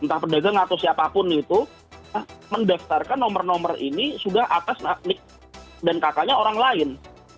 entah pedagang atau siapapun itu mendaftarkan nomor nomor ini sudah atas nik dan kakaknya orang lain